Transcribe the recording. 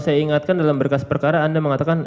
saya ingatkan dalam berkas perkara anda mengatakan